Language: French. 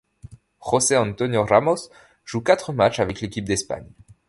José Antonio Ramos joue quatre matchs avec l'équipe d'Espagne.